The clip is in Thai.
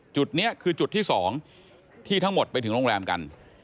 จุดนี้คือจุดที่๒ที่ทั้งหมดไปถึงโรงแรมกัน